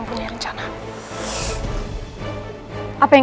hubunganmu mengandalkan diri